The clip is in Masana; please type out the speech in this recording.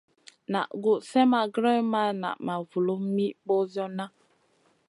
Naʼ gus slèʼ ma grewn ma naʼ ma vulum mi ɓosionna.